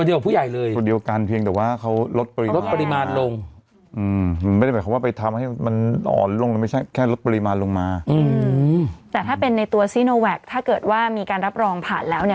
แต่ถ้าเป็นในตัวซิโนแวคร์ที่คือเป็นทั่วเดียวของผู้ใหญ่